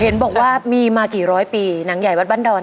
เห็นบอกว่ามีมากี่ร้อยปีหนังใหญ่วัดบ้านดอน